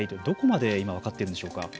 どこまで分かっているんでしょうか。